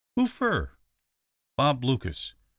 "Who fur?" "Bob Lucas."